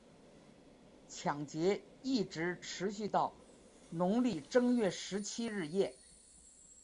抢劫一直持续到农历正月十七日夜。